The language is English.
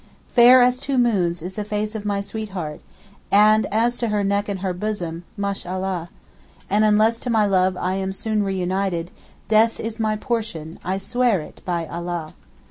'Fair as two moons is the face of my sweetheart, And as to her neck and her bosom—Mashallah. And unless to my love I am soon reunited Death is my portion—I swear it by Allah.